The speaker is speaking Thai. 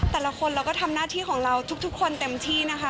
แต่ละคนเราก็ทำหน้าที่ของเราทุกคนเต็มที่นะคะ